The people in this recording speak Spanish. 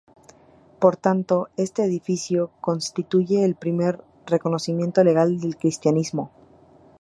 Por tanto, este edicto constituye el primer reconocimiento legal del Cristianismo.